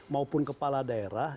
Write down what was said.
maupun kepala daerah